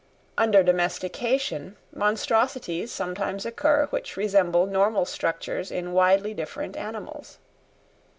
Under domestication monstrosities sometimes occur which resemble normal structures in widely different animals.